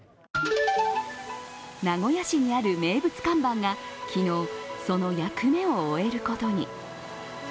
名古屋市にある名物看板が昨日、その役目を終えることに。